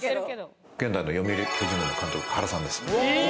現在の読売巨人軍の監督・原さんです。